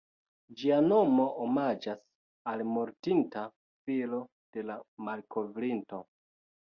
Ĝia nomo omaĝas al mortinta filo de la malkovrinto.